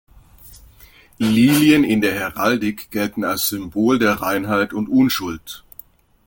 Lilien in der Heraldik gelten als Symbol der Reinheit und Unschuld.